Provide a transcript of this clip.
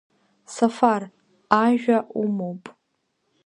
Сафар, ажәа умоуп.